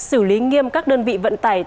xử lý nghiêm các đơn vị vận tải